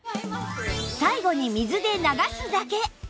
最後に水で流すだけ